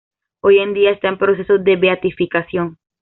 Hoy en día está en proceso de beatificación.